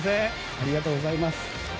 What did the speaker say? ありがとうございます。